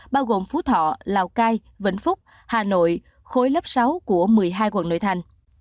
bao gồm phú thọ lào cai vĩnh phúc hà nội khối lớp sáu của một mươi hai quận nội thành